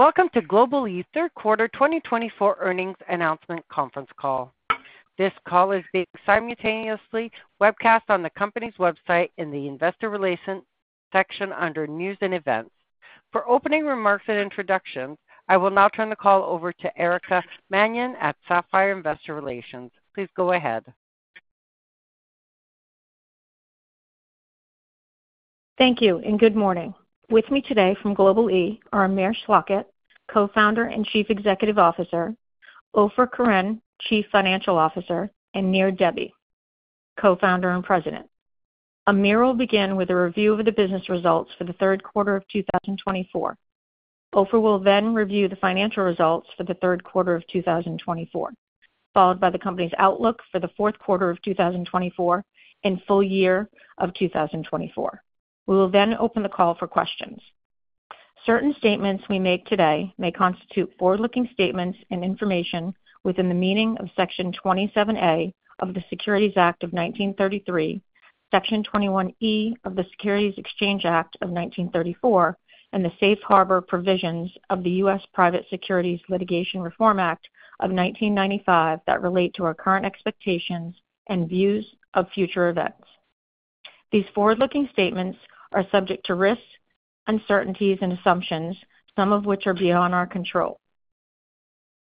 Welcome to Global-e's third quarter 2024 earnings announcement conference call. This call is being simultaneously webcast on the company's website in the Investor Relations section under News and Events. For opening remarks and introductions, I will now turn the call over to Erica Mannion at Sapphire Investor Relations. Please go ahead. Thank you, and good morning. With me today from Global-e are Amir Schlachet, Co-founder and Chief Executive Officer, Ofer Koren, Chief Financial Officer, and Nir Debbi, Co-founder and President. Amir will begin with a review of the business results for the third quarter of 2024. Ofer will then review the financial results for the third quarter of 2024, followed by the company's outlook for the fourth quarter of 2024 and full year of 2024. We will then open the call for questions. Certain statements we make today may constitute forward-looking statements and information within the meaning of Section 27A of the Securities Act of 1933, Section 21E of the Securities Exchange Act of 1934, and the Safe Harbor Provisions of the U.S. Private Securities Litigation Reform Act of 1995 that relate to our current expectations and views of future events. These forward-looking statements are subject to risks, uncertainties, and assumptions, some of which are beyond our control.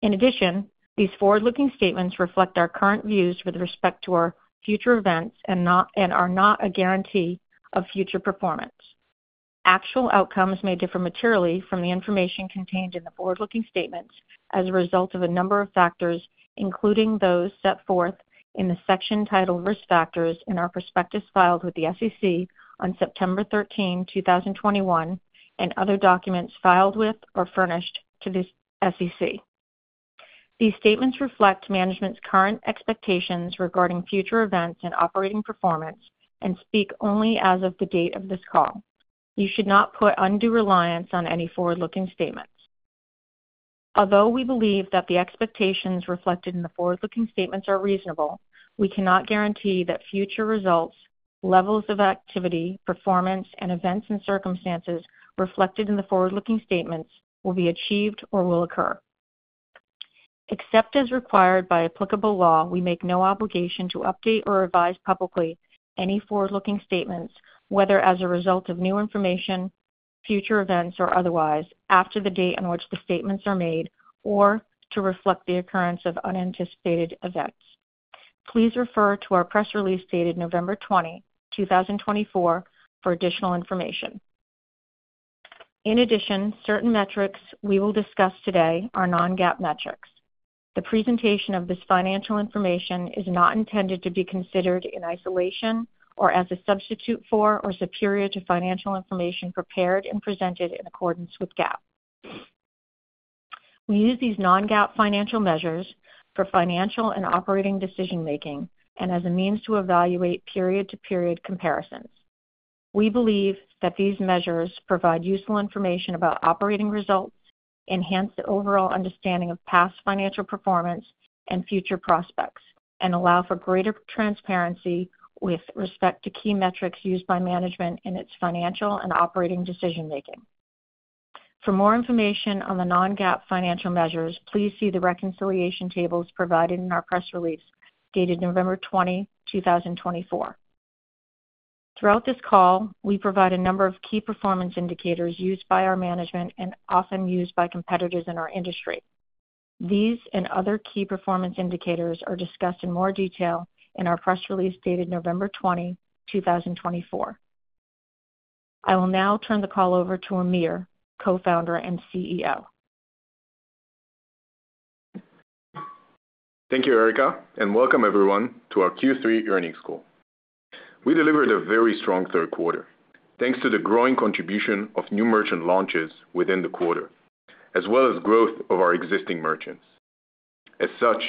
In addition, these forward-looking statements reflect our current views with respect to our future events and are not a guarantee of future performance. Actual outcomes may differ materially from the information contained in the forward-looking statements as a result of a number of factors, including those set forth in the section titled Risk Factors in our prospectus filed with the SEC on September 13, 2021, and other documents filed with or furnished to the SEC. These statements reflect management's current expectations regarding future events and operating performance and speak only as of the date of this call. You should not put undue reliance on any forward-looking statements. Although we believe that the expectations reflected in the forward-looking statements are reasonable, we cannot guarantee that future results, levels of activity, performance, and events and circumstances reflected in the forward-looking statements will be achieved or will occur. Except as required by applicable law, we make no obligation to update or revise publicly any forward-looking statements, whether as a result of new information, future events, or otherwise, after the date on which the statements are made or to reflect the occurrence of unanticipated events. Please refer to our press release dated November 20, 2024, for additional information. In addition, certain metrics we will discuss today are non-GAAP metrics. The presentation of this financial information is not intended to be considered in isolation or as a substitute for or superior to financial information prepared and presented in accordance with GAAP. We use these non-GAAP financial measures for financial and operating decision-making and as a means to evaluate period-to-period comparisons. We believe that these measures provide useful information about operating results, enhance the overall understanding of past financial performance and future prospects, and allow for greater transparency with respect to key metrics used by management in its financial and operating decision-making. For more information on the non-GAAP financial measures, please see the reconciliation tables provided in our press release dated November 20, 2024. Throughout this call, we provide a number of key performance indicators used by our management and often used by competitors in our industry. These and other key performance indicators are discussed in more detail in our press release dated November 20, 2024. I will now turn the call over to Amir, Co-founder and CEO. Thank you, Erica, and welcome everyone to our Q3 earnings call. We delivered a very strong third quarter thanks to the growing contribution of new merchant launches within the quarter, as well as growth of our existing merchants. As such,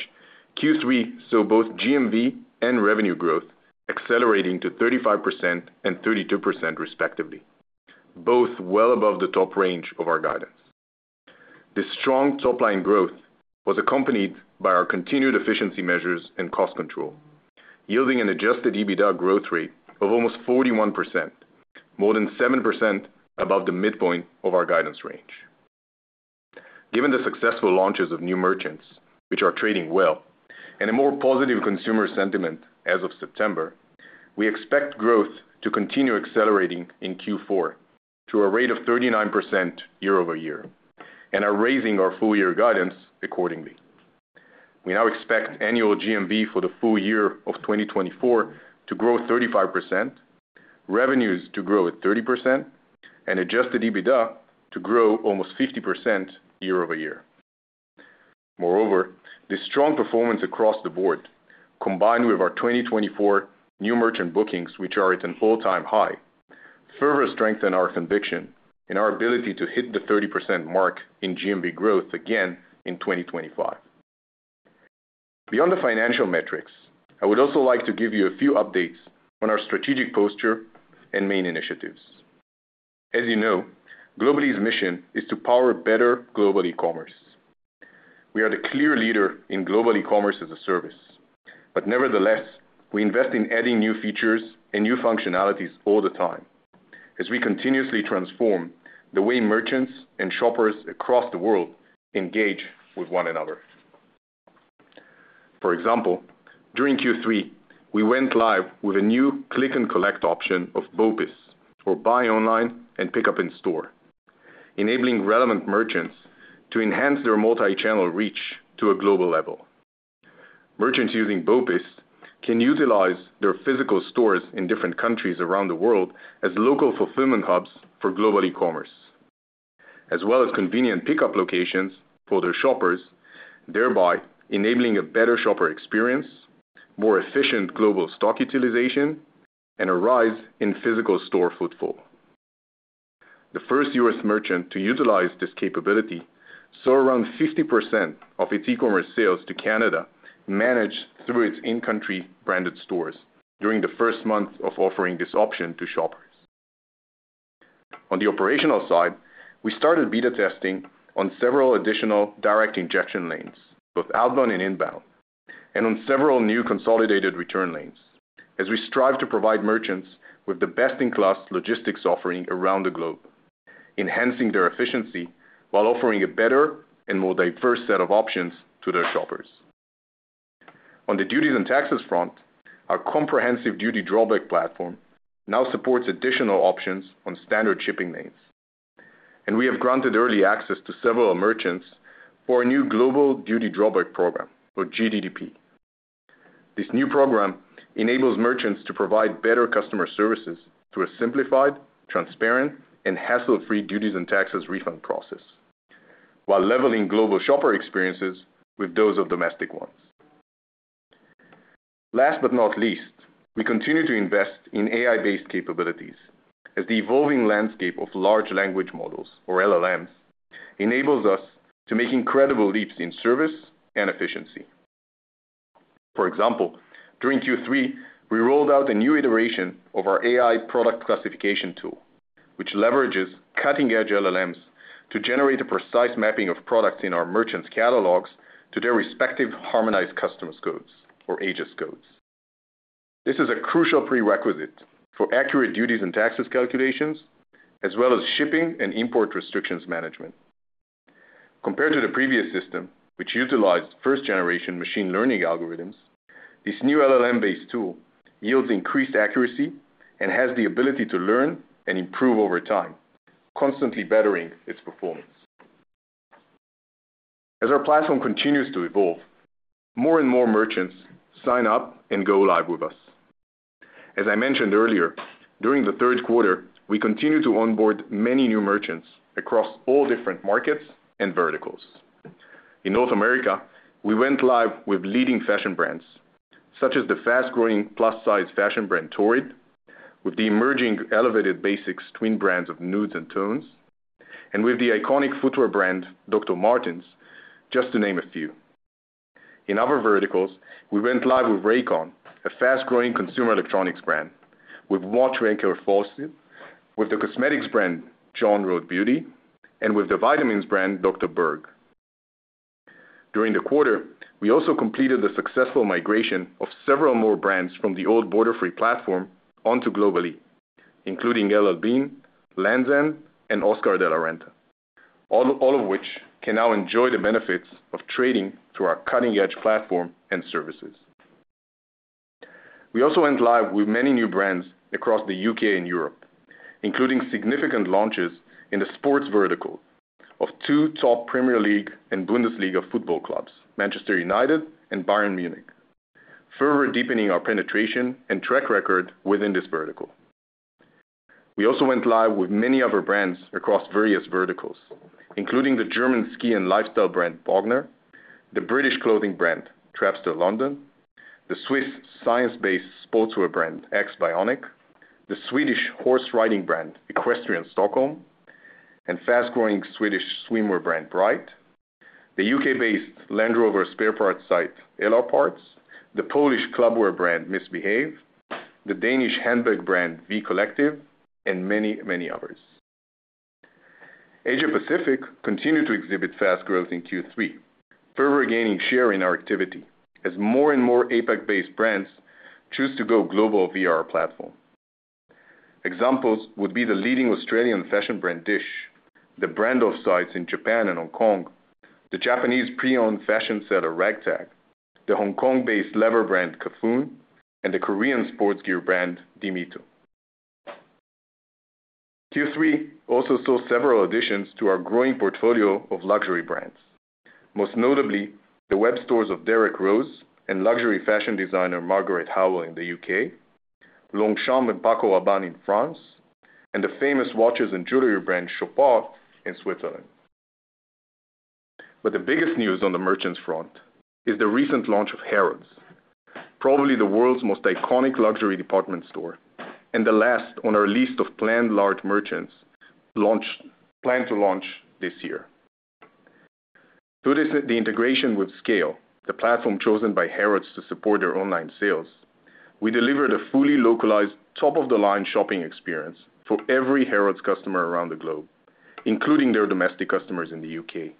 Q3 saw both GMV and revenue growth accelerating to 35% and 32%, respectively, both well above the top range of our guidance. This strong top-line growth was accompanied by our continued efficiency measures and cost control, yielding an adjusted EBITDA growth rate of almost 41%, more than 7% above the midpoint of our guidance range. Given the successful launches of new merchants, which are trading well, and a more positive consumer sentiment as of September, we expect growth to continue accelerating in Q4 to a rate of 39% year over year and are raising our full-year guidance accordingly. We now expect annual GMV for the full year of 2024 to grow 35%, revenues to grow at 30%, and Adjusted EBITDA to grow almost 50% year over year. Moreover, this strong performance across the board, combined with our 2024 new merchant bookings, which are at an all-time high, further strengthen our conviction in our ability to hit the 30% mark in GMV growth again in 2025. Beyond the financial metrics, I would also like to give you a few updates on our strategic posture and main initiatives. As you know, Global-e's mission is to power better global e-commerce. We are the clear leader in global e-commerce as a service, but nevertheless, we invest in adding new features and new functionalities all the time as we continuously transform the way merchants and shoppers across the world engage with one another. For example, during Q3, we went live with a new click-and-collect option of BOPIS, or Buy Online and Pick Up in Store, enabling relevant merchants to enhance their multi-channel reach to a global level. Merchants using BOPIS can utilize their physical stores in different countries around the world as local fulfillment hubs for global e-commerce, as well as convenient pickup locations for their shoppers, thereby enabling a better shopper experience, more efficient global stock utilization, and a rise in physical store footfall. The first U.S. merchant to utilize this capability saw around 50% of its e-commerce sales to Canada managed through its in-country branded stores during the first month of offering this option to shoppers. On the operational side, we started beta testing on several additional direct injection lanes, both outbound and inbound, and on several new consolidated return lanes as we strive to provide merchants with the best-in-class logistics offering around the globe, enhancing their efficiency while offering a better and more diverse set of options to their shoppers. On the duties and taxes front, our comprehensive duty drawback platform now supports additional options on standard shipping lanes, and we have granted early access to several merchants for a new Global Duty Drawback Program, or GDDP. This new program enables merchants to provide better customer services through a simplified, transparent, and hassle-free duties and taxes refund process while leveling global shopper experiences with those of domestic ones. Last but not least, we continue to invest in AI-based capabilities as the evolving landscape of large language models, or LLMs, enables us to make incredible leaps in service and efficiency. For example, during Q3, we rolled out a new iteration of our AI product classification tool, which leverages cutting-edge LLMs to generate a precise mapping of products in our merchants' catalogs to their respective Harmonized System codes, or HS codes. This is a crucial prerequisite for accurate duties and taxes calculations, as well as shipping and import restrictions management. Compared to the previous system, which utilized first-generation machine learning algorithms, this new LLM-based tool yields increased accuracy and has the ability to learn and improve over time, constantly bettering its performance. As our platform continues to evolve, more and more merchants sign up and go live with us. As I mentioned earlier, during the third quarter, we continue to onboard many new merchants across all different markets and verticals. In North America, we went live with leading fashion brands such as the fast-growing plus-size fashion brand Torrid, with the emerging elevated basics twin brands of Nuuds and Tones, and with the iconic footwear brand Dr. Martens, just to name a few. In other verticals, we went live with Raycon, a fast-growing consumer electronics brand, with watchmaker Fossil, with the cosmetics brand Jones Road Beauty, and with the vitamins brand Dr. Berg. During the quarter, we also completed the successful migration of several more brands from the old Borderfree platform onto Global-e, including L.L. Bean, Lands' End, and Oscar de la Renta, all of which can now enjoy the benefits of trading through our cutting-edge platform and services. We also went live with many new brands across the UK and Europe, including significant launches in the sports vertical of two top Premier League and Bundesliga football clubs, Manchester United and Bayern Munich, further deepening our penetration and track record within this vertical. We also went live with many other brands across various verticals, including the German ski and lifestyle brand Bogner, the British clothing brand Trapstar London, the Swiss science-based sportswear brand X-Bionic, the Swedish horse riding brand Equestrian Stockholm, and fast-growing Swedish swimwear brand Bright, the UK-based Land Rover spare parts site LR Parts, the Polish clubwear brand MISBHV, the Danish handbag brand Vee Collective, and many, many others. Asia-Pacific continued to exhibit fast growth in Q3, further gaining share in our activity as more and more APAC-based brands choose to go global via our platform. Examples would be the leading Australian fashion brand Dissh, the Brand Off sites in Japan and Hong Kong, the Japanese pre-owned fashion seller RAGTAG, the Hong Kong-based leather brand Cafuné, and the Korean sports gear brand Dimito. Q3 also saw several additions to our growing portfolio of luxury brands, most notably the web stores of Derek Rose and luxury fashion designer Margaret Howell in the UK, Longchamp and Paco Rabanne in France, and the famous watches and jewelry brand Chopard in Switzerland. But the biggest news on the merchants' front is the recent launch of Harrods, probably the world's most iconic luxury department store and the last on our list of planned large merchants to launch this year. Through the integration with SCAYLE, the platform chosen by Harrods to support their online sales, we delivered a fully localized, top-of-the-line shopping experience for every Harrods customer around the globe, including their domestic customers in the UK,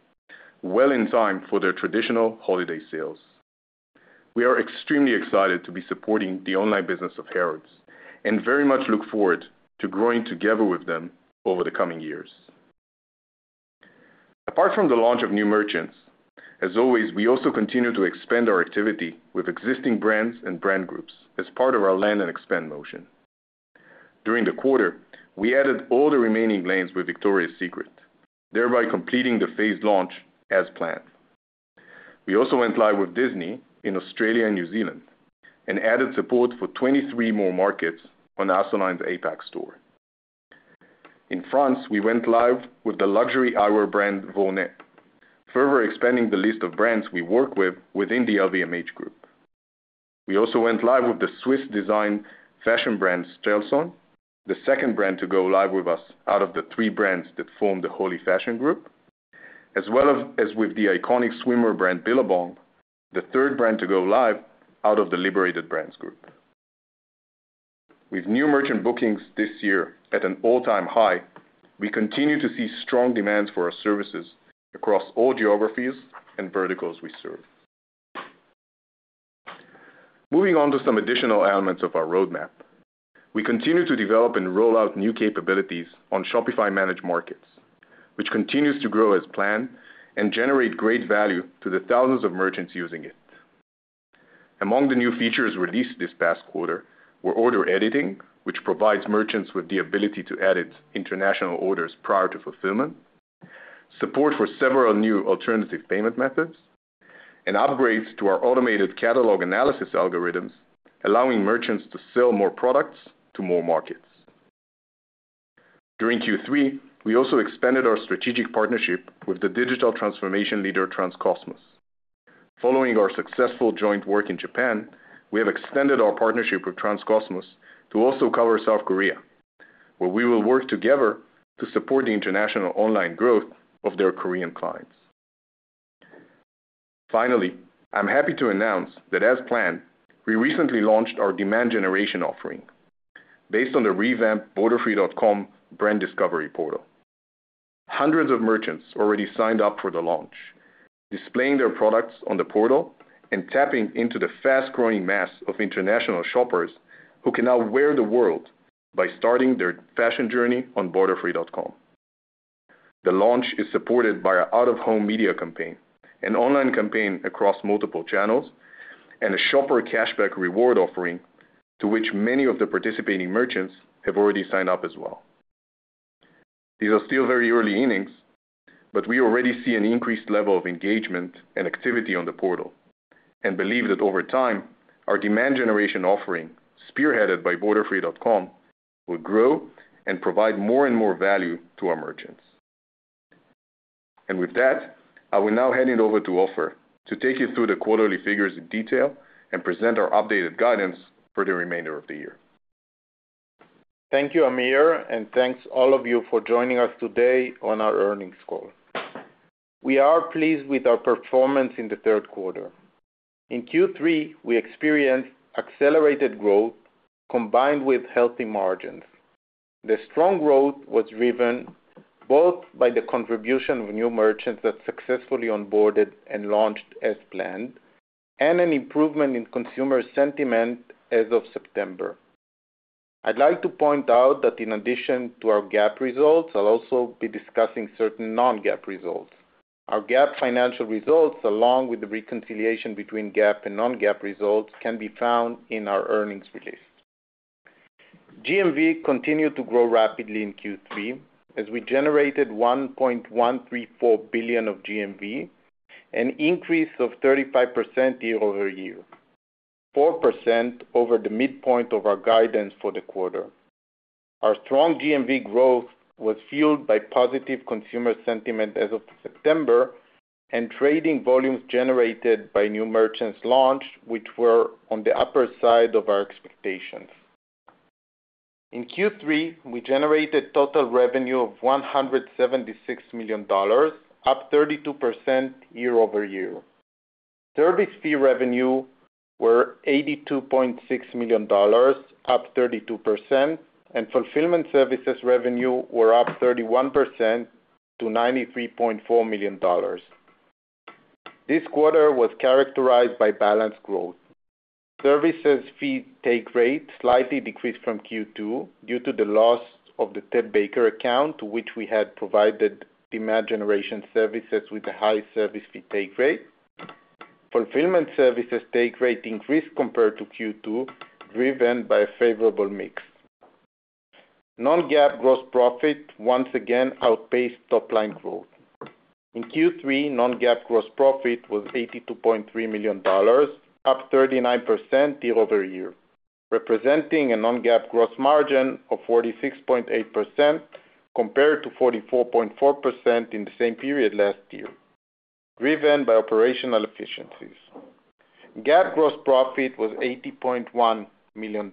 well in time for their traditional holiday sales. We are extremely excited to be supporting the online business of Harrods and very much look forward to growing together with them over the coming years. Apart from the launch of new merchants, as always, we also continue to expand our activity with existing brands and brand groups as part of our land and expand model. During the quarter, we added all the remaining lanes with Victoria's Secret, thereby completing the phased launch as planned. We also went live with Disney in Australia and New Zealand and added support for 23 more markets on Arsenal's APAC store. In France, we went live with the luxury eyewear brand Vuarnet, further expanding the list of brands we work with within the LVMH group. We also went live with the Swiss design fashion brand Strellson, the second brand to go live with us out of the three brands that form the Holy Fashion Group, as well as with the iconic swimwear brand Billabong, the third brand to go live out of the Liberated Brands group. With new merchant bookings this year at an all-time high, we continue to see strong demands for our services across all geographies and verticals we serve. Moving on to some additional elements of our roadmap, we continue to develop and roll out new capabilities on Shopify Managed Markets, which continues to grow as planned and generate great value to the thousands of merchants using it. Among the new features released this past quarter were order editing, which provides merchants with the ability to edit international orders prior to fulfillment, support for several new alternative payment methods, and upgrades to our automated catalog analysis algorithms, allowing merchants to sell more products to more markets. During Q3, we also expanded our strategic partnership with the digital transformation leader Transcosmos. Following our successful joint work in Japan, we have extended our partnership with Transcosmos to also cover South Korea, where we will work together to support the international online growth of their Korean clients. Finally, I'm happy to announce that, as planned, we recently launched our demand generation offering based on the revamped Borderfree.com brand discovery portal. Hundreds of merchants already signed up for the launch, displaying their products on the portal and tapping into the fast-growing mass of international shoppers who can now wear the world by starting their fashion journey on Borderfree.com. The launch is supported by an out-of-home media campaign, an online campaign across multiple channels, and a shopper cashback reward offering to which many of the participating merchants have already signed up as well. These are still very early innings, but we already see an increased level of engagement and activity on the portal and believe that over time, our demand generation offering, spearheaded by Borderfree.com, will grow and provide more and more value to our merchants. And with that, I will now hand it over to Ofer to take you through the quarterly figures in detail and present our updated guidance for the remainder of the year. Thank you, Amir, and thanks all of you for joining us today on our earnings call. We are pleased with our performance in the third quarter. In Q3, we experienced accelerated growth combined with healthy margins. The strong growth was driven both by the contribution of new merchants that successfully onboarded and launched as planned and an improvement in consumer sentiment as of September. I'd like to point out that in addition to our GAAP results, I'll also be discussing certain non-GAAP results. Our GAAP financial results, along with the reconciliation between GAAP and non-GAAP results, can be found in our earnings release. GMV continued to grow rapidly in Q3 as we generated $1.134 billion of GMV, an increase of 35% year over year, 4% over the midpoint of our guidance for the quarter. Our strong GMV growth was fueled by positive consumer sentiment as of September and trading volumes generated by new merchants launched, which were on the upper side of our expectations. In Q3, we generated total revenue of $176 million, up 32% year over year. Service fee revenue was $82.6 million, up 32%, and fulfillment services revenue was up 31% to $93.4 million. This quarter was characterized by balanced growth. Service fee take rate slightly decreased from Q2 due to the loss of the Ted Baker account to which we had provided demand generation services with a high service fee take rate. Fulfillment services take rate increased compared to Q2, driven by a favorable mix. Non-GAAP gross profit once again outpaced top-line growth. In Q3, non-GAAP gross profit was $82.3 million, up 39% year over year, representing a non-GAAP gross margin of 46.8% compared to 44.4% in the same period last year, driven by operational efficiencies. GAAP gross profit was $80.1 million,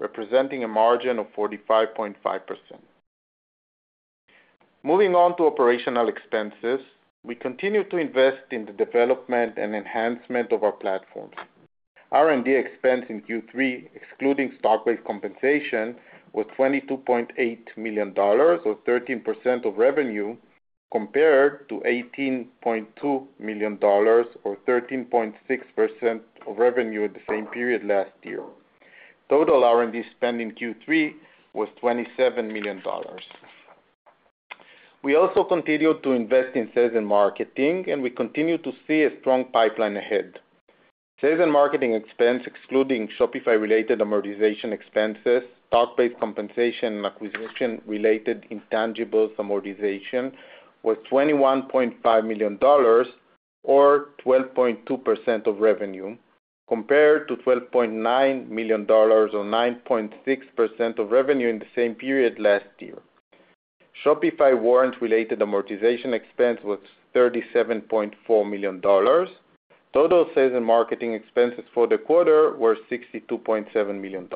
representing a margin of 45.5%. Moving on to operational expenses, we continued to invest in the development and enhancement of our platforms. R&D expense in Q3, excluding stock-based compensation, was $22.8 million, or 13% of revenue, compared to $18.2 million, or 13.6% of revenue in the same period last year. Total R&D spend in Q3 was $27 million. We also continued to invest in sales and marketing, and we continue to see a strong pipeline ahead. Sales and marketing expense, excluding Shopify-related amortization expenses, stock-based compensation, and acquisition-related intangibles amortization, was $21.5 million, or 12.2% of revenue, compared to $12.9 million, or 9.6% of revenue in the same period last year. Shopify warrant-related amortization expense was $37.4 million. Total sales and marketing expenses for the quarter were $62.7 million.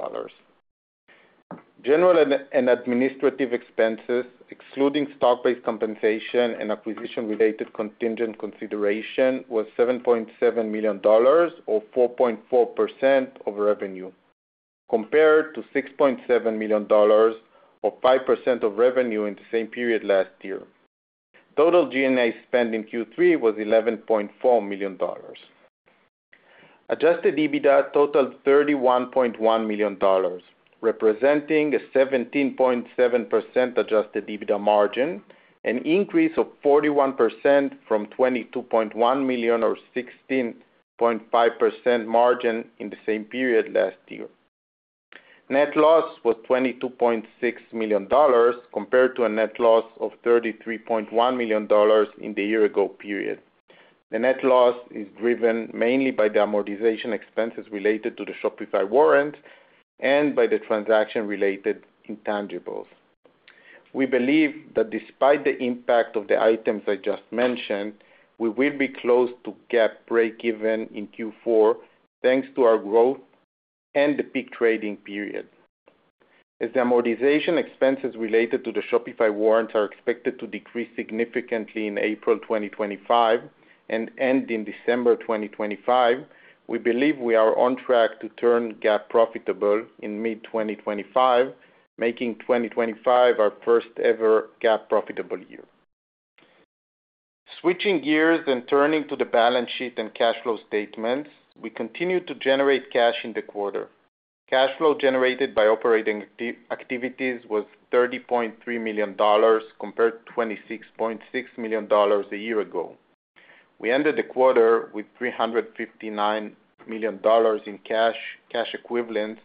General and administrative expenses, excluding stock-based compensation and acquisition-related contingent consideration, were $7.7 million, or 4.4% of revenue, compared to $6.7 million, or 5% of revenue in the same period last year. Total G&A spend in Q3 was $11.4 million. Adjusted EBITDA totaled $31.1 million, representing a 17.7% adjusted EBITDA margin, an increase of 41% from $22.1 million, or 16.5% margin in the same period last year. Net loss was $22.6 million, compared to a net loss of $33.1 million in the year-ago period. The net loss is driven mainly by the amortization expenses related to the Shopify warrant and by the transaction-related intangibles. We believe that despite the impact of the items I just mentioned, we will be close to GAAP break-even in Q4 thanks to our growth and the peak trading period. As the amortization expenses related to the Shopify warrant are expected to decrease significantly in April 2025 and end in December 2025, we believe we are on track to turn GAAP profitable in mid-2025, making 2025 our first-ever GAAP profitable year. Switching gears and turning to the balance sheet and cash flow statements, we continue to generate cash in the quarter. Cash flow generated by operating activities was $30.3 million, compared to $26.6 million a year ago. We ended the quarter with $359 million in cash equivalents,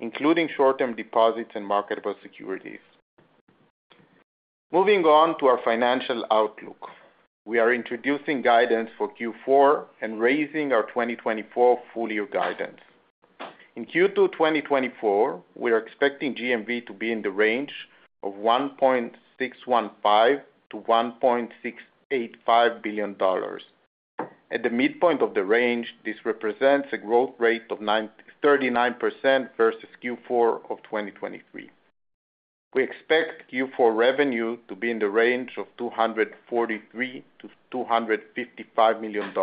including short-term deposits and marketable securities. Moving on to our financial outlook, we are introducing guidance for Q4 and raising our 2024 full-year guidance. In Q2 2024, we are expecting GMV to be in the range of $1.615-$1.685 billion. At the midpoint of the range, this represents a growth rate of 39% versus Q4 of 2023. We expect Q4 revenue to be in the range of $243-$255 million.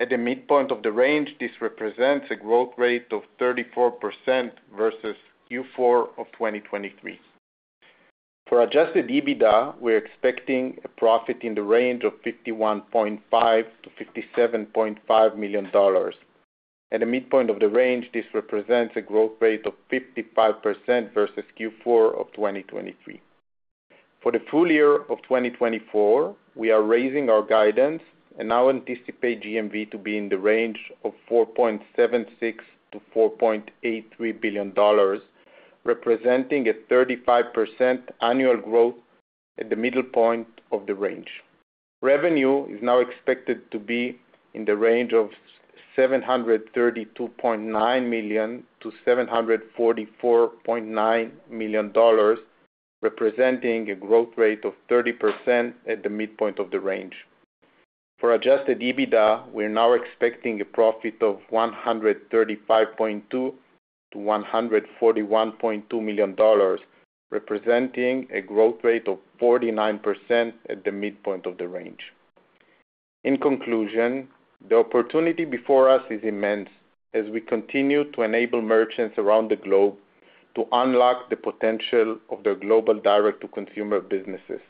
At the midpoint of the range, this represents a growth rate of 34% versus Q4 of 2023. For adjusted EBITDA, we're expecting a profit in the range of $51.5-$57.5 million. At the midpoint of the range, this represents a growth rate of 55% versus Q4 of 2023. For the full year of 2024, we are raising our guidance and now anticipate GMV to be in the range of $4.76-$4.83 billion, representing a 35% annual growth at the middle point of the range. Revenue is now expected to be in the range of $732.9 million to $744.9 million, representing a growth rate of 30% at the midpoint of the range. For Adjusted EBITDA, we're now expecting a profit of $135.2 to $141.2 million, representing a growth rate of 49% at the midpoint of the range. In conclusion, the opportunity before us is immense as we continue to enable merchants around the globe to unlock the potential of their global direct-to-consumer businesses.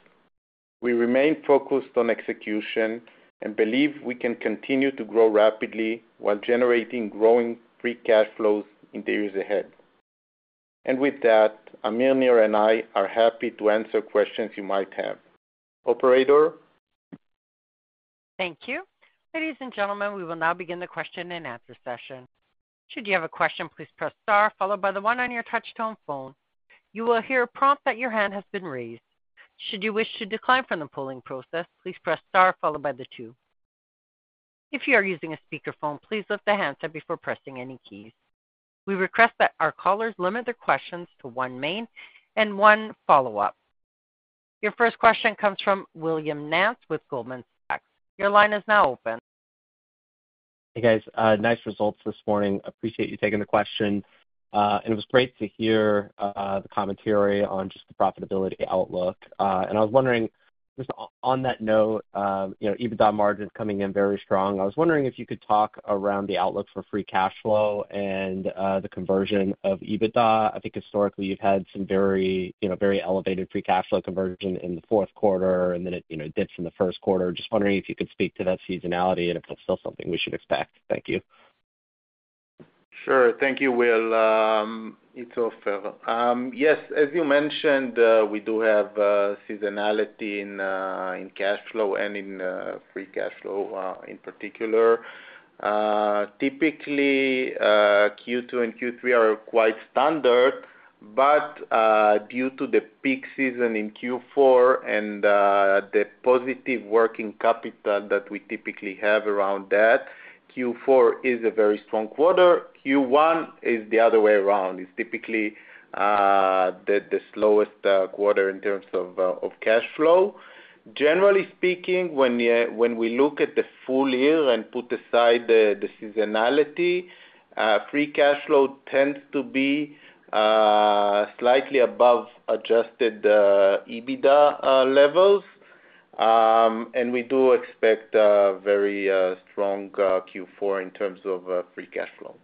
We remain focused on execution and believe we can continue to grow rapidly while generating growing free cash flows in the years ahead. And with that, Amir, Nir, and I are happy to answer questions you might have. Operator. Thank you. Ladies and gentlemen, we will now begin the question and answer session. Should you have a question, please press star, followed by the one on your touch-tone phone. You will hear a prompt that your hand has been raised. Should you wish to decline from the polling process, please press star, followed by the two. If you are using a speakerphone, please lift the handset before pressing any keys. We request that our callers limit their questions to one main and one follow-up. Your first question comes from William Nance with Goldman Sachs. Your line is now open. Hey, guys. Nice results this morning. Appreciate you taking the question. It was great to hear the commentary on just the profitability outlook. I was wondering, just on that note, EBITDA margin is coming in very strong. I was wondering if you could talk around the outlook for free cash flow and the conversion of EBITDA. I think historically you've had some very elevated free cash flow conversion in the fourth quarter, and then it dips in the first quarter. Just wondering if you could speak to that seasonality and if that's still something we should expect. Thank you. Sure. Thank you, Will. It's Ofer. Yes, as you mentioned, we do have seasonality in cash flow and in free cash flow in particular. Typically, Q2 and Q3 are quite standard, but due to the peak season in Q4 and the positive working capital that we typically have around that, Q4 is a very strong quarter. Q1 is the other way around. It's typically the slowest quarter in terms of cash flow. Generally speaking, when we look at the full year and put aside the seasonality, free cash flow tends to be slightly above Adjusted EBITDA levels. And we do expect a very strong Q4 in terms of free cash flow.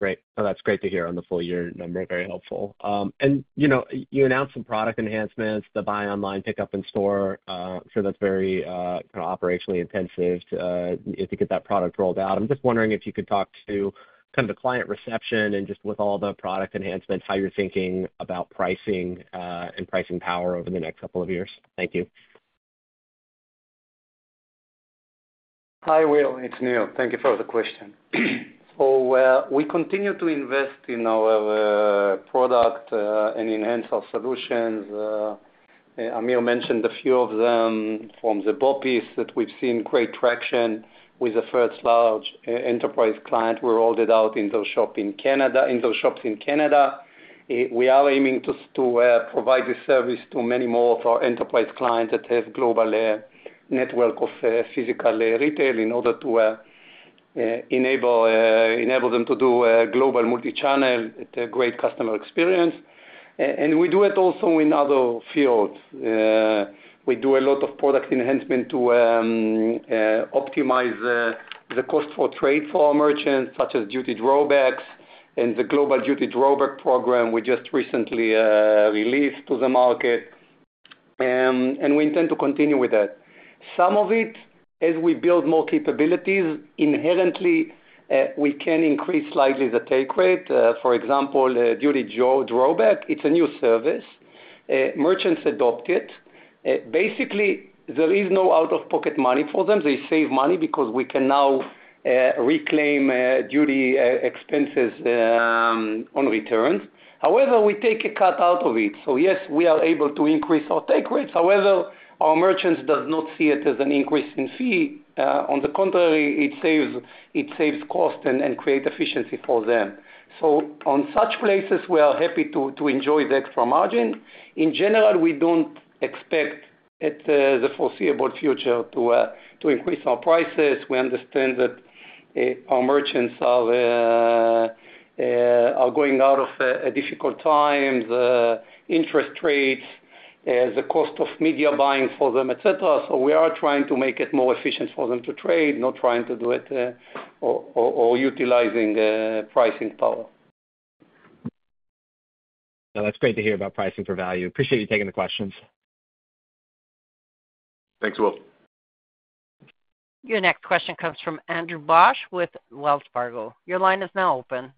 Great. Oh, that's great to hear on the full year number. Very helpful. And you announced some product enhancements, the buy online, pick up in store. I'm sure that's very operationally intensive to get that product rolled out. I'm just wondering if you could talk to kind of the client reception and just with all the product enhancements, how you're thinking about pricing and pricing power over the next couple of years. Thank you. Hi, Will. It's Nir. Thank you for the question. So we continue to invest in our product and enhance our solutions. Amir mentioned a few of them from the BOPIS that we've seen great traction with the first large enterprise client. We rolled it out in those shops in Canada. We are aiming to provide this service to many more of our enterprise clients that have global network of physical retail in order to enable them to do global multi-channel at a great customer experience. And we do it also in other fields. We do a lot of product enhancement to optimize the cost for trade for our merchants, such as duty drawbacks and the Global Duty Drawback Program we just recently released to the market. And we intend to continue with that. Some of it, as we build more capabilities, inherently, we can increase slightly the take rate. For example, duty drawback, it's a new service. Merchants adopt it. Basically, there is no out-of-pocket money for them. They save money because we can now reclaim duty expenses on returns. However, we take a cut out of it. So yes, we are able to increase our take rates. However, our merchants do not see it as an increase in fee. On the contrary, it saves cost and creates efficiency for them. So on such places, we are happy to enjoy the extra margin. In general, we don't expect at the foreseeable future to increase our prices. We understand that our merchants are going out of difficult times, interest rates, the cost of media buying for them, etc. So we are trying to make it more efficient for them to trade, not trying to do it or utilizing pricing power. That's great to hear about pricing for value. Appreciate you taking the questions. Thanks, Will. Your next question comes from Andrew Bauch with Wells Fargo. Your line is now open.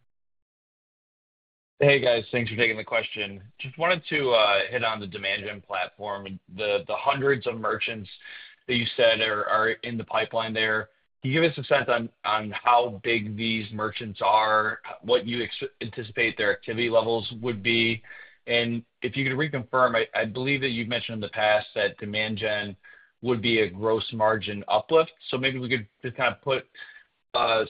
Hey, guys. Thanks for taking the question. Just wanted to hit on the Demand Gen platform. The hundreds of merchants that you said are in the pipeline there. Can you give us a sense on how big these merchants are, what you anticipate their activity levels would be? And if you could reconfirm, I believe that you've mentioned in the past that Demand Gen would be a gross margin uplift. So maybe we could just kind of put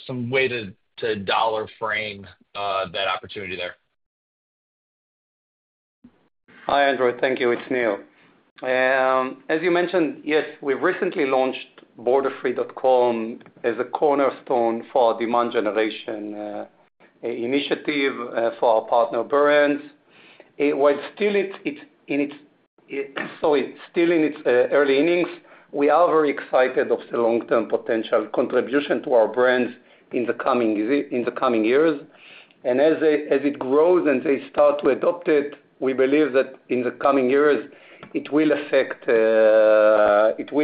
some way to dollar frame that opportunity there. Hi, Andrew. Thank you. It's Nir. As you mentioned, yes, we've recently launched Borderfree.com as a cornerstone for our demand generation initiative for our partner brands. While still in its early innings, we are very excited about the long-term potential contribution to our brands in the coming years. And as it grows and they start to adopt it, we believe that in the coming years, it will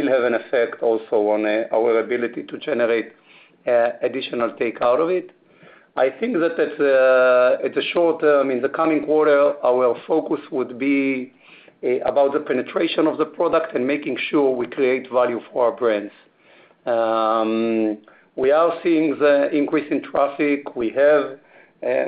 have an effect also on our ability to generate additional takeout of it. I think that at the short term, in the coming quarter, our focus would be about the penetration of the product and making sure we create value for our brands. We are seeing the increase in traffic. We have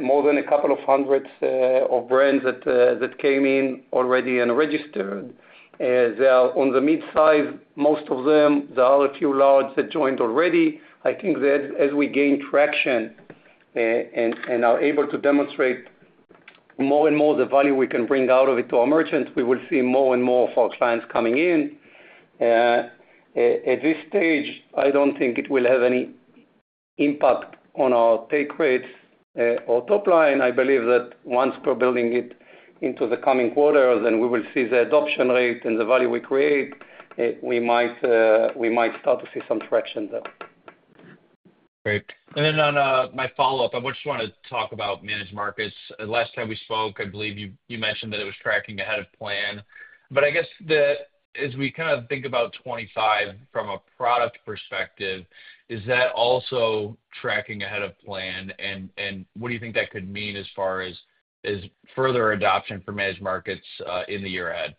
more than a couple of hundreds of brands that came in already and registered. They are on the mid-size, most of them. There are a few large that joined already. I think that as we gain traction and are able to demonstrate more and more the value we can bring out of it to our merchants, we will see more and more of our clients coming in. At this stage, I don't think it will have any impact on our take rates or top line. I believe that once we're building it into the coming quarters, and we will see the adoption rate and the value we create, we might start to see some traction there. Great. And then on my follow-up, I just want to talk about managed markets. Last time we spoke, I believe you mentioned that it was tracking ahead of plan. But I guess that as we kind of think about 2025 from a product perspective, is that also tracking ahead of plan? And what do you think that could mean as far as further adoption for managed markets in the year ahead?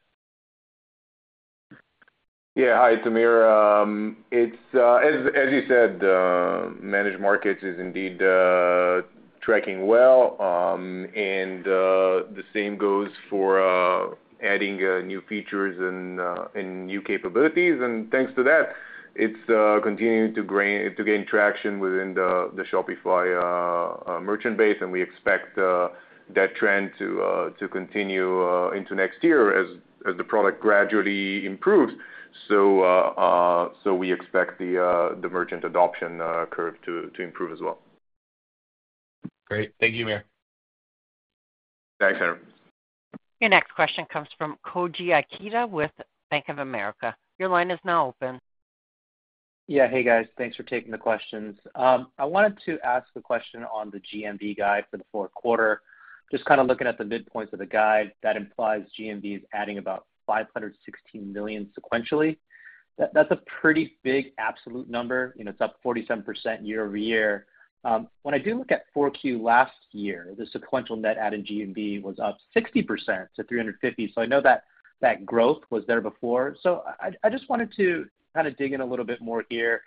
Yeah. Hi, it's Amir. As you said, managed markets is indeed tracking well. And the same goes for adding new features and new capabilities. And thanks to that, it's continuing to gain traction within the Shopify merchant base. And we expect that trend to continue into next year as the product gradually improves. So we expect the merchant adoption curve to improve as well. Great. Thank you, Amir. Thanks, Andrew. Your next question comes from Koji Ikeda with Bank of America. Your line is now open. Yeah. Hey, guys. Thanks for taking the questions. I wanted to ask a question on the GMV guide for the fourth quarter. Just kind of looking at the midpoint of the guide, that implies GMV is adding about $516 million sequentially. That's a pretty big absolute number. It's up 47% year over year. When I do look at 4Q last year, the sequential net added GMV was up 60% to $350 million. So I know that growth was there before. So I just wanted to kind of dig in a little bit more here.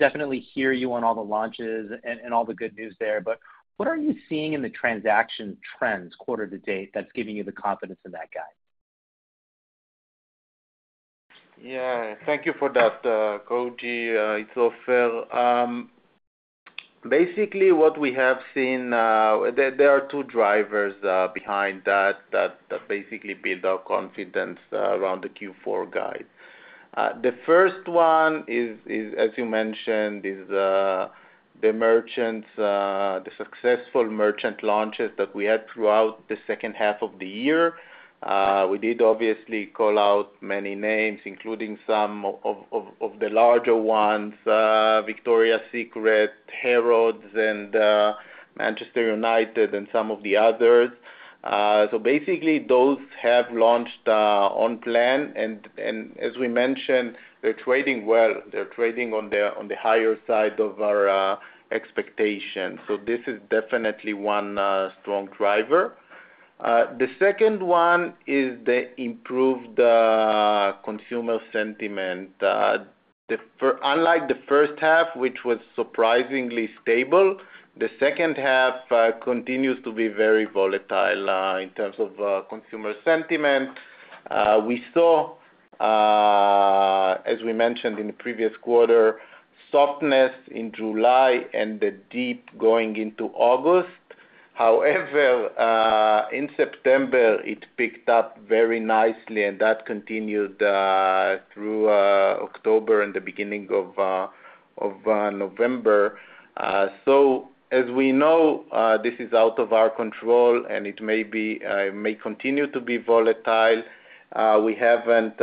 Definitely hear you on all the launches and all the good news there. But what are you seeing in the transaction trends quarter to date that's giving you the confidence in that guide? Yeah. Thank you for that, Koji. It's Ofer. Basically, what we have seen, there are two drivers behind that that basically build our confidence around the Q4 guide. The first one is, as you mentioned, the successful merchant launches that we had throughout the second half of the year. We did obviously call out many names, including some of the larger ones: Victoria's Secret, Harrods, and Manchester United, and some of the others. So basically, those have launched on plan. And as we mentioned, they're trading well. They're trading on the higher side of our expectations. So this is definitely one strong driver. The second one is the improved consumer sentiment. Unlike the first half, which was surprisingly stable, the second half continues to be very volatile in terms of consumer sentiment. We saw, as we mentioned in the previous quarter, softness in July and the dip going into August. However, in September, it picked up very nicely, and that continued through October and the beginning of November. So as we know, this is out of our control, and it may continue to be volatile. We haven't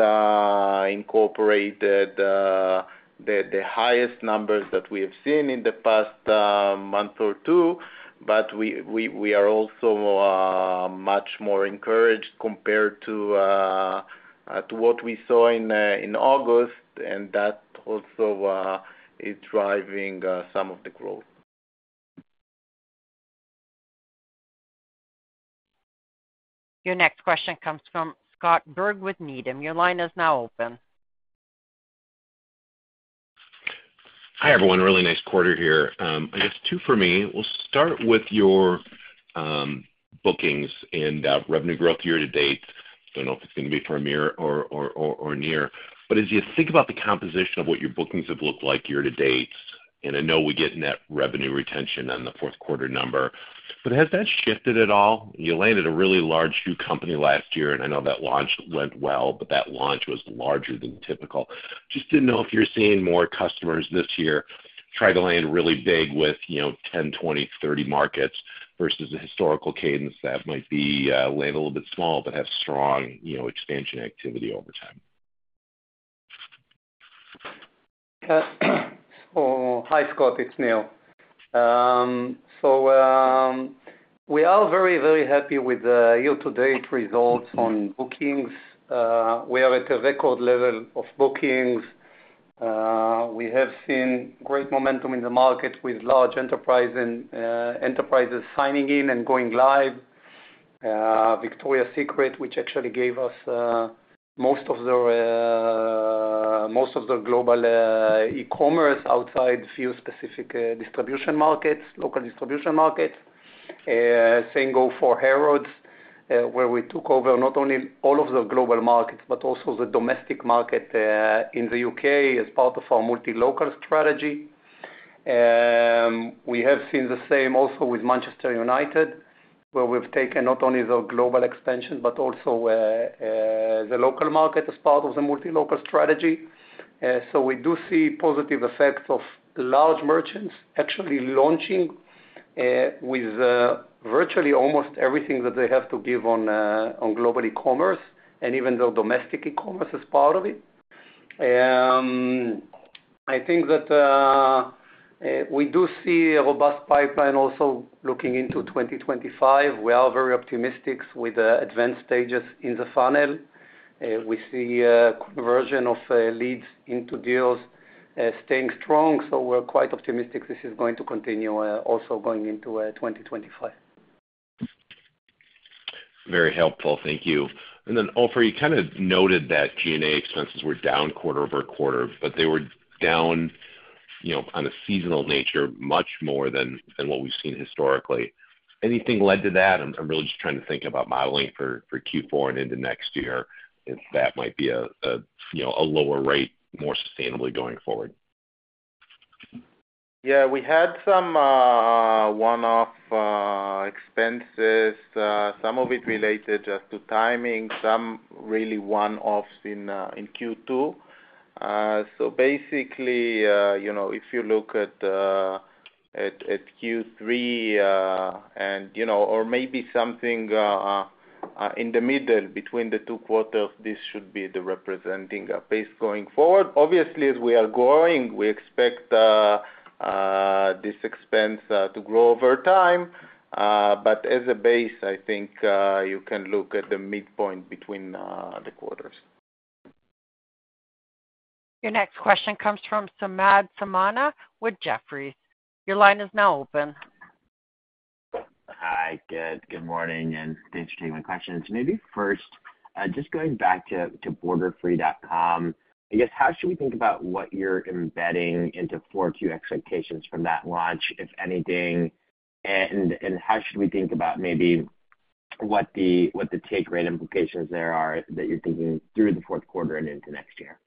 incorporated the highest numbers that we have seen in the past month or two, but we are also much more encouraged compared to what we saw in August, and that also is driving some of the growth. Your next question comes from Scott Berg with Needham. Your line is now open. Hi, everyone. Really nice quarter here. I guess two for me. We'll start with your bookings and revenue growth year to date. I don't know if it's going to be Amir or Nir But as you think about the composition of what your bookings have looked like year to date, and I know we get net revenue retention on the fourth quarter number, but has that shifted at all? You landed a really large shoe company last year, and I know that launch went well, but that launch was larger than typical. Just didn't know if you're seeing more customers this year try to land really big with 10, 20, 30 markets versus a historical cadence that might be land a little bit small but have strong expansion activity over time. Hi, Scott. It's Nir. So we are very, very happy with year-to-date results on bookings. We are at a record level of bookings. We have seen great momentum in the market with large enterprises signing in and going live. Victoria's Secret, which actually gave us most of the global e-commerce outside a few specific local distribution markets. Same goes for Harrods, where we took over not only all of the global markets but also the domestic market in the UK as part of our multi-local strategy. We have seen the same also with Manchester United, where we've taken not only the global expansion but also the local market as part of the multi-local strategy, so we do see positive effects of large merchants actually launching with virtually almost everything that they have to give on global e-commerce and even their domestic e-commerce as part of it. I think that we do see a robust pipeline also looking into 2025. We are very optimistic with the advanced stages in the funnel. We see conversion of leads into deals staying strong. So we're quite optimistic this is going to continue also going into 2025. Very helpful. Thank you. And then, Ofer, you kind of noted that G&A expenses were down quarter over quarter, but they were down on a seasonal nature much more than what we've seen historically. Anything led to that? I'm really just trying to think about modeling for Q4 and into next year if that might be a lower rate more sustainably going forward. Yeah. We had some one-off expenses, some of it related just to timing, some really one-offs in Q2. So basically, if you look at Q3 and or maybe something in the middle between the two quarters, this should be the representative base going forward. Obviously, as we are growing, we expect this expense to grow over time. But as a base, I think you can look at the midpoint between the quarters. Your next question comes from Samad Samana with Jefferies. Your line is now open. Hi. Good morning. And thanks for taking my questions. Maybe first, just going back to Borderfree.com, I guess how should we think about what you're embedding into 4Q expectations from that launch, if anything? And how should we think about maybe what the take rate implications there are that you're thinking through the fourth quarter and into next year?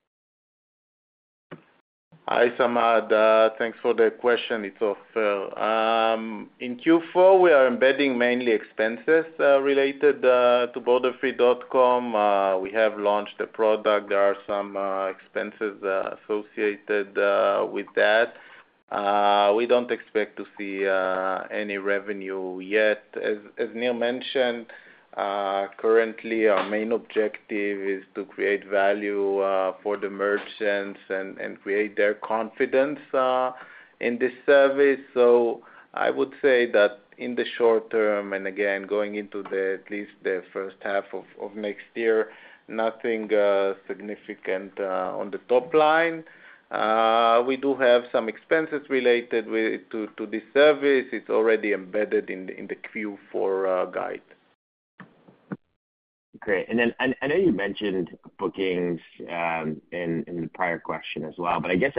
Hi, Samad. Thanks for the question. It's Ofer. In Q4, we are embedding mainly expenses related to Borderfree.com. We have launched a product. There are some expenses associated with that. We don't expect to see any revenue yet. As Neil mentioned, currently, our main objective is to create value for the merchants and create their confidence in this service. So I would say that in the short term, and again, going into at least the first half of next year, nothing significant on the top line. We do have some expenses related to this service. It's already embedded in the Q4 guide. Great. And then I know you mentioned bookings in the prior question as well, but I guess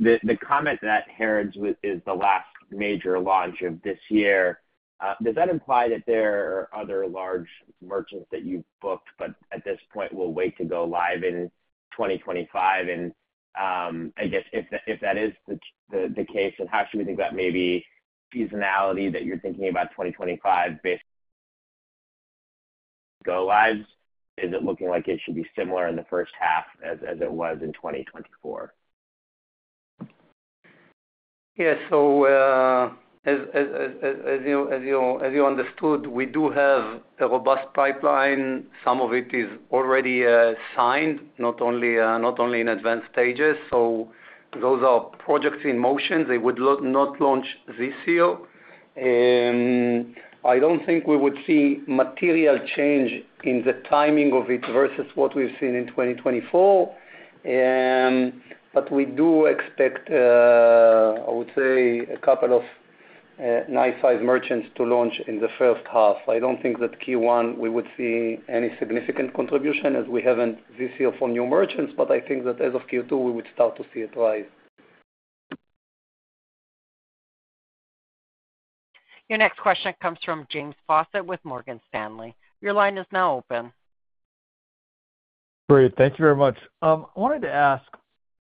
the comment that Harrods with us is the last major launch of this year. Does that imply that there are other large merchants that you've booked but at this point will wait to go live in 2025? And I guess if that is the case, then how should we think about maybe seasonality that you're thinking about 2025 go lives? Is it looking like it should be similar in the first half as it was in 2024? Yeah. So as you understood, we do have a robust pipeline. Some of it is already signed, not only in advanced stages. So those are projects in motion. They would not launch this year. I don't think we would see material change in the timing of it versus what we've seen in 2024. But we do expect, I would say, a couple of nice-sized merchants to launch in the first half. I don't think that Q1 we would see any significant contribution as we haven't this year for new merchants. But I think that as of Q2, we would start to see it rise. Your next question comes from James Faucette with Morgan Stanley. Your line is now open. Great. Thank you very much. I wanted to ask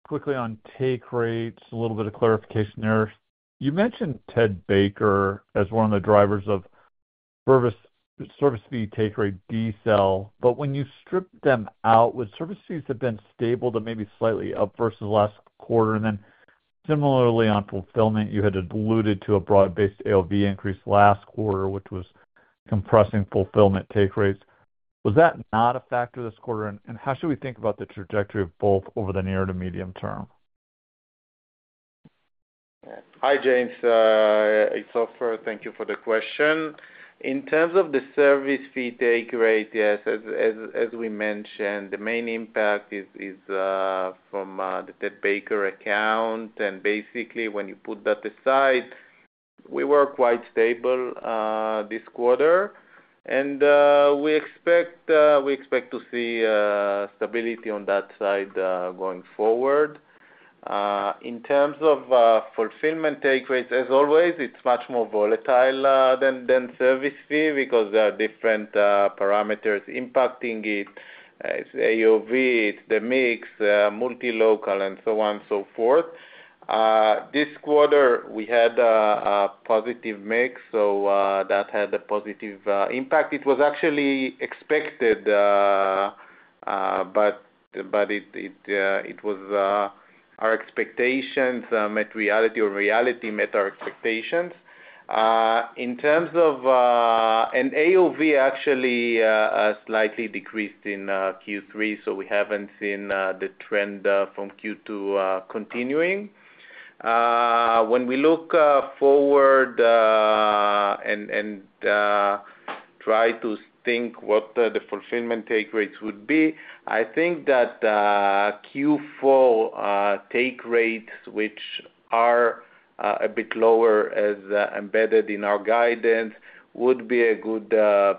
quickly on take rates, a little bit of clarification there. You mentioned Ted Baker as one of the drivers of service fee take rate decel. But when you stripped them out, would service fees have been stable to maybe slightly up versus last quarter? And then similarly on fulfillment, you had alluded to a broad-based AOV increase last quarter, which was compressing fulfillment take rates. Was that not a factor this quarter? And how should we think about the trajectory of both over the near to medium term? Hi, James. It's Ofer. Thank you for the question. In terms of the service fee take rate, yes, as we mentioned, the main impact is from the Ted Baker account. And basically, when you put that aside, we were quite stable this quarter. And we expect to see stability on that side going forward. In terms of fulfillment take rates, as always, it's much more volatile than service fee because there are different parameters impacting it. It's AOV, it's the mix, multi-local, and so on and so forth. This quarter, we had a positive mix, so that had a positive impact. It was actually expected, but it was our expectations met reality or reality met our expectations. In terms of an AOV, actually slightly decreased in Q3, so we haven't seen the trend from Q2 continuing. When we look forward and try to think what the fulfillment take rates would be, I think that Q4 take rates, which are a bit lower as embedded in our guidance, would be a good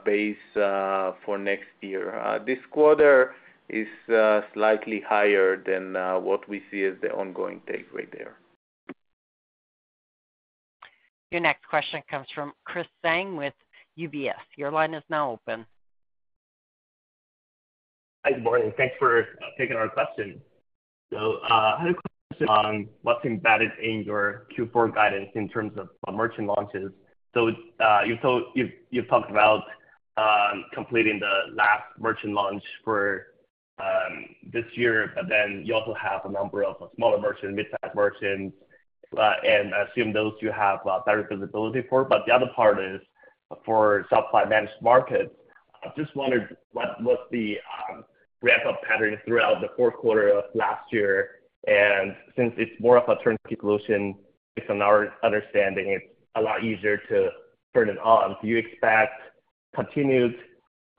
base for next year. This quarter is slightly higher than what we see as the ongoing take rate there. Your next question comes from Chris Zhang with UBS. Your line is now open. Hi, good morning. Thanks for taking our question. So I had a question on what's embedded in your Q4 guidance in terms of merchant launches. So you've talked about completing the last merchant launch for this year, but then you also have a number of smaller merchants, mid-sized merchants, and I assume those you have better visibility for. But the other part is for Shopify Managed Markets. I just wondered what was the ramp-up pattern throughout the fourth quarter of last year. And since it's more of a turnkey solution, based on our understanding, it's a lot easier to turn it on. Do you expect continued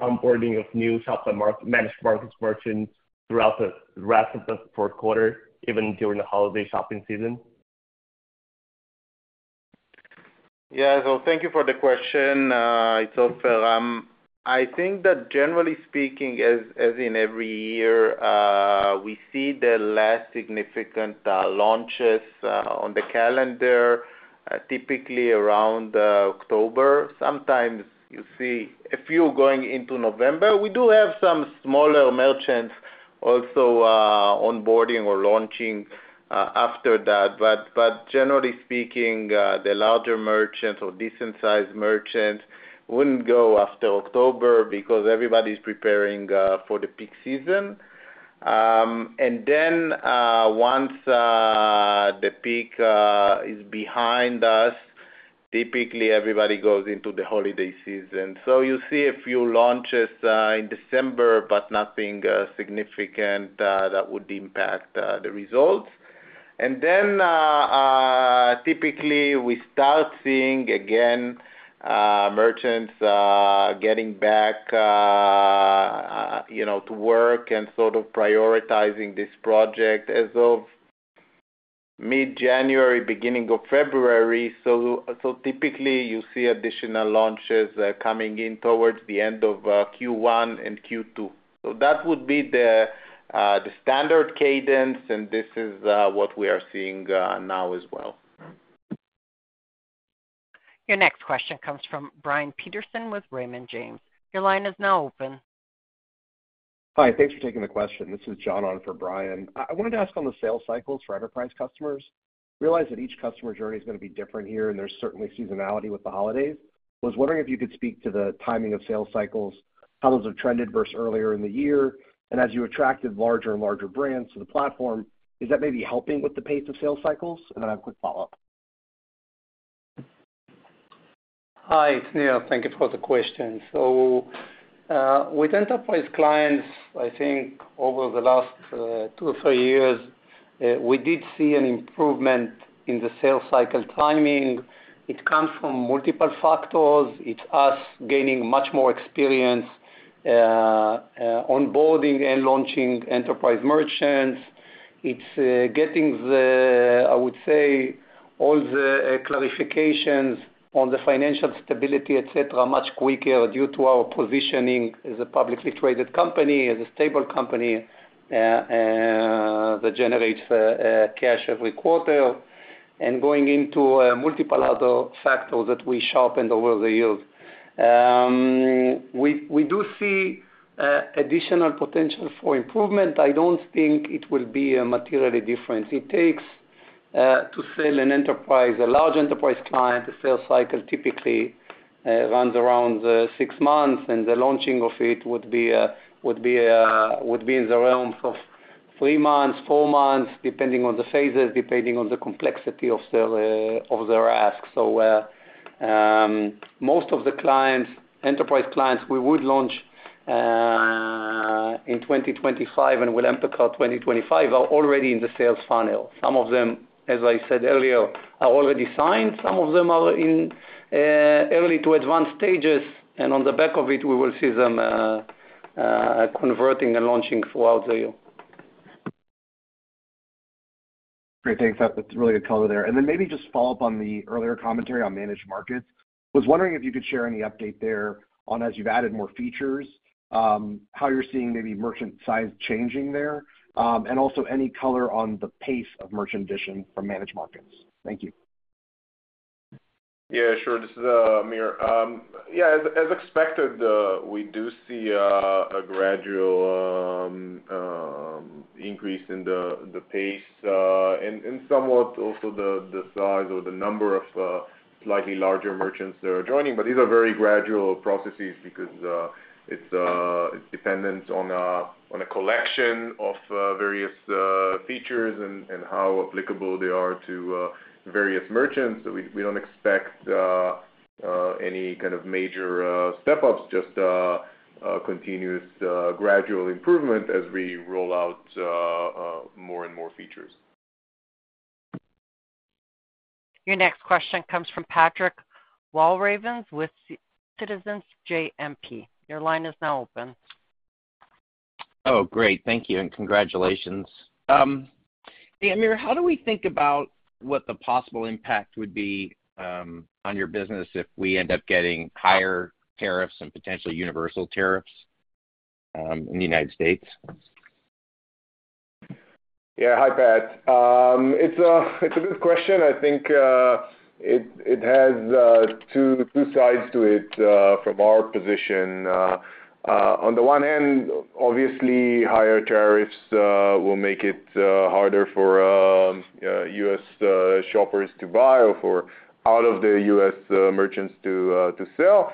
onboarding of new Shopify Managed Markets merchants throughout the rest of the fourth quarter, even during the holiday shopping season? Yeah. So thank you for the question. It's Ofer. I think that generally speaking, as in every year, we see the last significant launches on the calendar, typically around October. Sometimes you see a few going into November. We do have some smaller merchants also onboarding or launching after that. But generally speaking, the larger merchants or decent-sized merchants wouldn't go after October because everybody's preparing for the peak season. And then once the peak is behind us, typically everybody goes into the holiday season. So you see a few launches in December, but nothing significant that would impact the results. And then typically we start seeing again merchants getting back to work and sort of prioritizing this project as of mid-January, beginning of February. So typically you see additional launches coming in towards the end of Q1 and Q2. So that would be the standard cadence, and this is what we are seeing now as well. Your next question comes from Brian Peterson with Raymond James. Your line is now open. Hi. Thanks for taking the question. This is John Brian. I wanted to ask on the sales cycles for enterprise customers. I realize that each customer journey is going to be different here, and there's certainly seasonality with the holidays. I was wondering if you could speak to the timing of sales cycles, how those have trended versus earlier in the year. And as you attracted larger and larger brands to the platform, is that maybe helping with the pace of sales cycles? And then I have a quick follow-up. Hi. It's Nir. Thank you for the question. So with enterprise clients, I think over the last two or three years, we did see an improvement in the sales cycle timing. It comes from multiple factors. It's us gaining much more experience onboarding and launching enterprise merchants. It's getting, I would say, all the clarifications on the financial stability, etc., much quicker due to our positioning as a publicly traded company, as a stable company that generates cash every quarter, and going into multiple other factors that we sharpened over the years. We do see additional potential for improvement. I don't think it will be a materially different. It takes to sell a large enterprise client. The sales cycle typically runs around six months, and the launching of it would be in the realms of three months, four months, depending on the phases, depending on the complexity of their ask. So most of the enterprise clients we would launch in 2025 and will impact 2025 are already in the sales funnel. Some of them, as I said earlier, are already signed. Some of them are in early to advanced stages. And on the back of it, we will see them converting and launching throughout the year. Great. Thanks. That's a really good color there. And then maybe just follow up on the earlier commentary on managed markets. I was wondering if you could share any update there on, as you've added more features, how you're seeing maybe merchant size changing there, and also any color on the pace of merchant addition from managed markets. Thank you. Yeah. Sure. This is Amir. Yeah. As expected, we do see a gradual increase in the pace and somewhat also the size or the number of slightly larger merchants that are joining. But these are very gradual processes because it's dependent on a collection of various features and how applicable they are to various merchants. So we don't expect any kind of major step-ups, just continuous gradual improvement as we roll out more and more features. Your next question comes from Patrick Walravens with Citizens JMP. Your line is now open. Oh, great. Thank you. And congratulations. Hey, Amir, how do we think about what the possible impact would be on your business if we end up getting higher tariffs and potentially universal tariffs in the United States? Yeah. Hi, Pat. It's a good question. I think it has two sides to it from our position. On the one hand, obviously, higher tariffs will make it harder for U.S. shoppers to buy or for out-of-the-U.S. merchants to sell.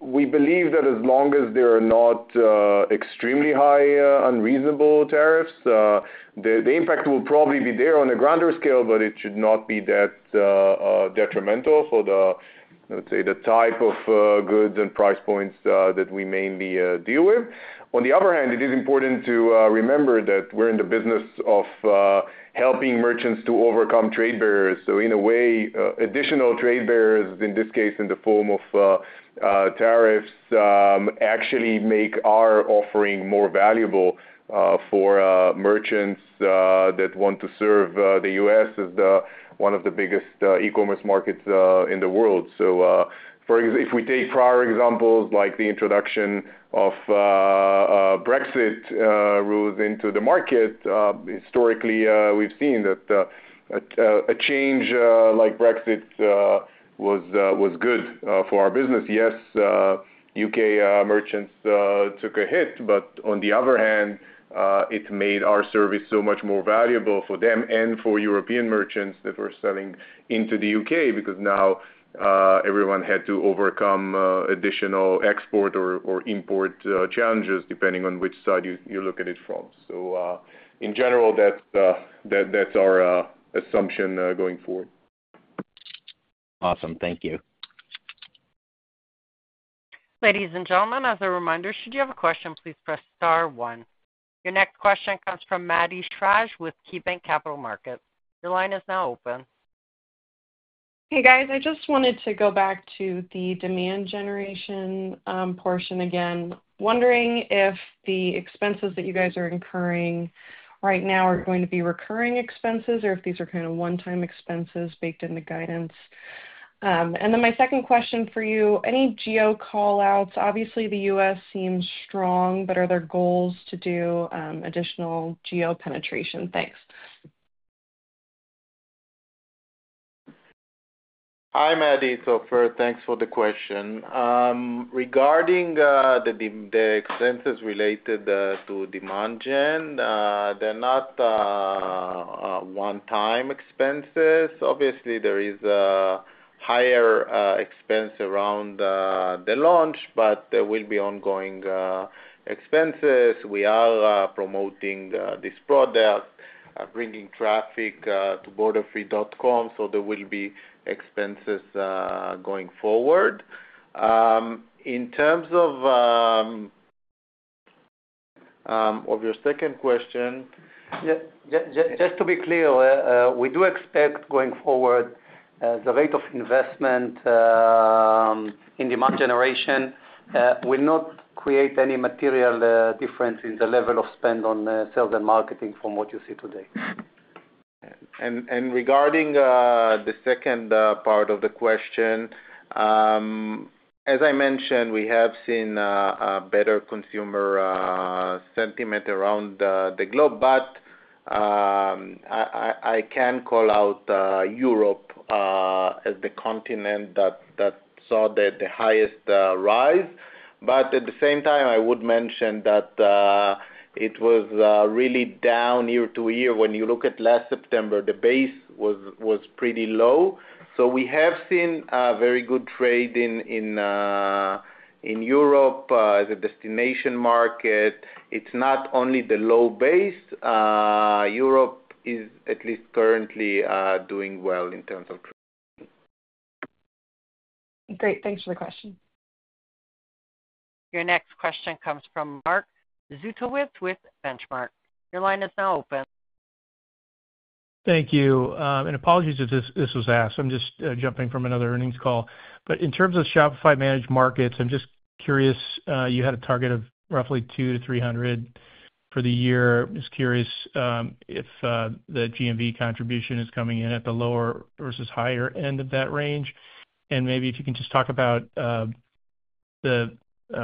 We believe that as long as they are not extremely high, unreasonable tariffs, the impact will probably be there on a grander scale, but it should not be that detrimental for, let's say, the type of goods and price points that we mainly deal with. On the other hand, it is important to remember that we're in the business of helping merchants to overcome trade barriers. So in a way, additional trade barriers, in this case in the form of tariffs, actually make our offering more valuable for merchants that want to serve the U.S. as one of the biggest e-commerce markets in the world. So if we take prior examples like the introduction of Brexit rules into the market, historically, we've seen that a change like Brexit was good for our business. Yes, UK merchants took a hit, but on the other hand, it made our service so much more valuable for them and for European merchants that were selling into the UK because now everyone had to overcome additional export or import challenges depending on which side you look at it from. So in general, that's our assumption going forward. Awesome. Thank you. Ladies and gentlemen, as a reminder, should you have a question, please press star one. Your next question comes from Maddie Schrage with KeyBanc Capital Markets. Your line is now open. Hey, guys. I just wanted to go back to the demand generation portion again. Wondering if the expenses that you guys are incurring right now are going to be recurring expenses or if these are kind of one-time expenses baked in the guidance. And then my second question for you, any geo callouts? Obviously, the US seems strong, but are there goals to do additional geo penetration? Thanks. Hi, Maddie. So first, thanks for the question. Regarding the expenses related to demand gen, they're not one-time expenses. Obviously, there is a higher expense around the launch, but there will be ongoing expenses. We are promoting this product, bringing traffic to Borderfree.com, so there will be expenses going forward. In terms of your second question, just to be clear, we do expect going forward the rate of investment in demand generation will not create any material difference in the level of spend on sales and marketing from what you see today. Regarding the second part of the question, as I mentioned, we have seen better consumer sentiment around the globe, but I can call out Europe as the continent that saw the highest rise. But at the same time, I would mention that it was really down year to year. When you look at last September, the base was pretty low. So we have seen very good trade in Europe as a destination market. It's not only the low base. Europe is at least currently doing well in terms of trade. Great. Thanks for the question. Your next question comes from Mark Zgutowicz with Benchmark. Your line is now open. Thank you. And apologies if this was asked. I'm just jumping from another earnings call. But in terms of Shopify Managed Markets, I'm just curious. You had a target of roughly 200-300 for the year. I'm just curious if the GMV contribution is coming in at the lower versus higher end of that range. And maybe if you can just talk about the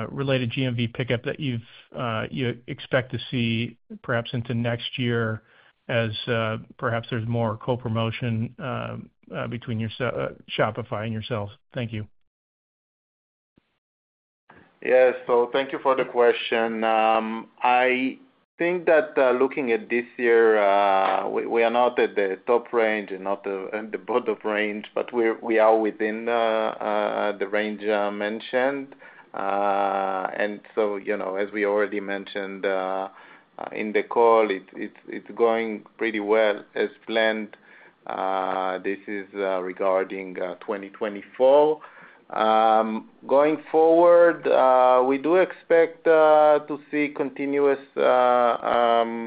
related GMV pickup that you expect to see perhaps into next year as perhaps there's more co-promotion between Shopify and yourselves. Thank you. Yes. So thank you for the question. I think that looking at this year, we are not at the top range and not at the bottom range, but we are within the range mentioned. And so as we already mentioned in the call, it's going pretty well as planned. This is regarding 2024. Going forward, we do expect to see continuous adds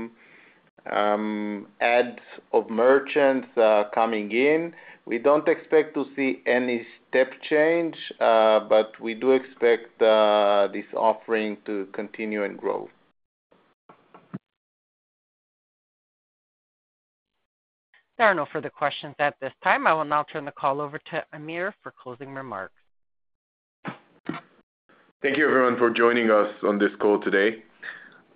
of merchants coming in. We don't expect to see any step change, but we do expect this offering to continue and grow. There are no further questions at this time. I will now turn the call over to Amir for closing remarks. Thank you, everyone, for joining us on this call today.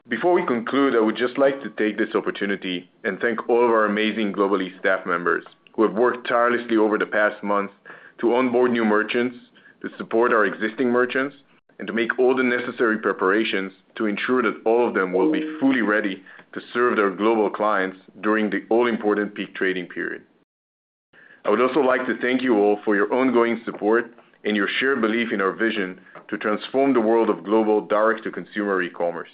Before we conclude, I would just like to take this opportunity and thank all of our amazing global staff members who have worked tirelessly over the past months to onboard new merchants, to support our existing merchants, and to make all the necessary preparations to ensure that all of them will be fully ready to serve their global clients during the all-important peak trading period. I would also like to thank you all for your ongoing support and your shared belief in our vision to transform the world of global direct-to-consumer e-commerce.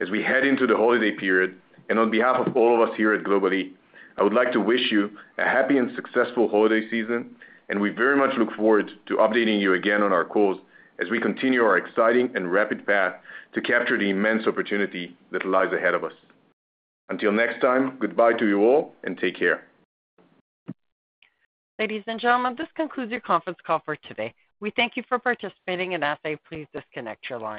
As we head into the holiday period, and on behalf of all of us here at Global-e, I would like to wish you a happy and successful holiday season, and we very much look forward to updating you again on our calls as we continue our exciting and rapid path to capture the immense opportunity that lies ahead of us. Until next time, goodbye to you all, and take care. Ladies and gentlemen, this concludes your conference call for today. We thank you for participating, and ask that you please disconnect your line.